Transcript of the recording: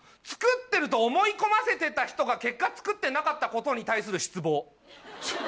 作ってると思い込ませてた人が結果作ってなかったことに対する失望。